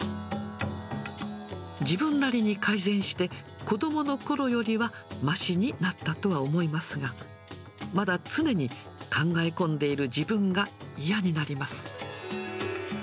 自分なりに改善して、子どものころよりはましになったとは思いますが、まだ常に考え込んでいる自分が嫌になります。